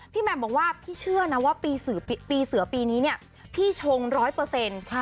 แหม่มบอกว่าพี่เชื่อนะว่าปีเสือปีนี้เนี่ยพี่ชงร้อยเปอร์เซ็นต์